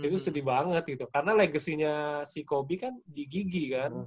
itu sedih banget gitu karena legasinya si kobe kan di gigi kan